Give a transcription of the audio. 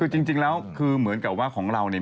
คือจริงแล้วคือเหมือนกับว่าของเราเนี่ย